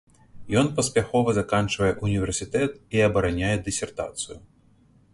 Ён паспяхова заканчвае ўніверсітэт і абараняе дысертацыю.